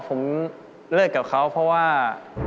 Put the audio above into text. ผมเลิกกับเขาเพราะว่า